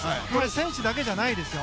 選手だけじゃないですよ。